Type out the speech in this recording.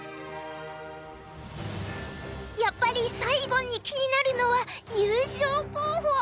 やっぱり最後に気になるのは優勝候補。